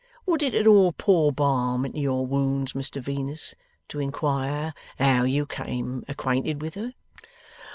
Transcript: Would it at all pour balm into your wounds, Mr Venus, to inquire how you came acquainted with her?